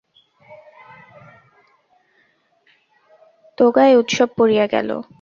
তোণ্ডায় উৎসব পড়িয়া গেল।